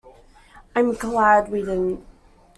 I'm glad we didn't.